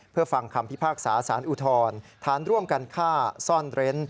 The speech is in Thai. เพื่อฟังคำพิพากษาสารอุทธรฐานร่วมกันฆ่าซ่อนเร้น